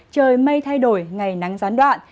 trời mây thay đổi ngày nắng gián đoạn